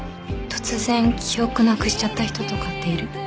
突然記憶なくしちゃった人とかっている？